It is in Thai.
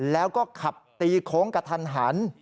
แล้วก็ขับตีโค้งกระทันหัน